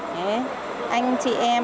thế anh chị em